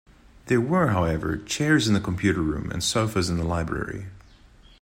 There were, however, chairs in the computer room and sofas in the library.